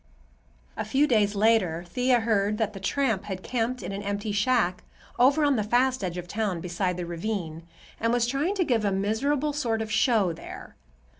A few days later Thea heard that the tramp had camped in an empty shack over on the east edge of town, beside the ravine, and was trying to give a miserable sort of show there.